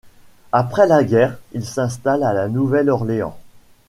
Après la guerre il s'installe à la Nouvelle-Orléans.